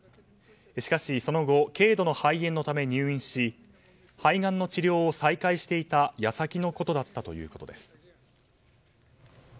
しかしその後軽度の肺炎のため入院し肺がんの治療を再開していた矢先のことだったということです。